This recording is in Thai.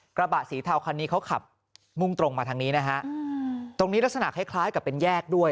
กระบะสีเทาคันนี้เขาขับมุ่งตรงมาทางนี้นะฮะตรงนี้ลักษณะคล้ายคล้ายกับเป็นแยกด้วย